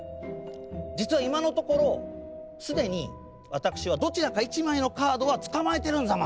実は今のところ既に私はどちらか１枚のカードはつかまえてるんザマスよ。